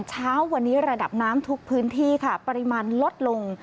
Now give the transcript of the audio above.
เช้าวันนี้ระดับน้ำทุกพื้นที่ค่ะปริมาณลดลง